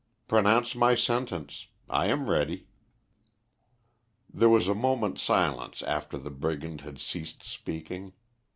Pronounce my sentence. I am ready." There was a moment's silence after the brigand had ceased speaking.